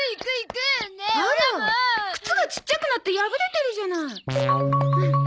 あら靴がちっちゃくなって破れてるじゃない。